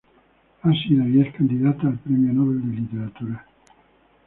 Ha sido y es candidata al Premio Nobel de Literatura".